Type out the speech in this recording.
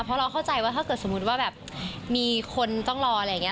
เพราะเราเข้าใจว่าถ้าเกิดสมมุติว่าแบบมีคนต้องรออะไรอย่างนี้